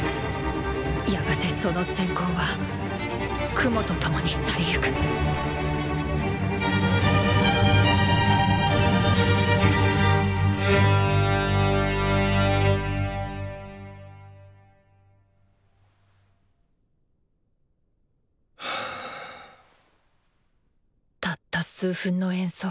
やがてその閃光は雲と共に去り行くたった数分の演奏。